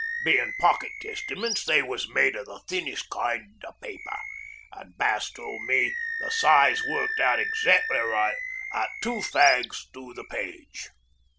Bein' pocket Testaments, they was made o' the thinnest kind o' paper an' Bass tole me the size worked out exackly right at two fags to the page.